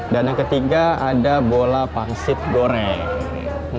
dan yang ketiga ada bola pangsit goreng